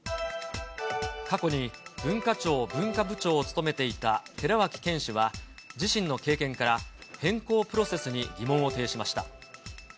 過去に文化庁文化部長を務めていた寺脇研氏は自身の経験から、変更プロセスに疑問を呈しました。